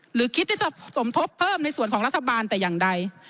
หรือคิดที่จะสมทบเพิ่มในส่วนของรัฐบาลแต่อย่างใด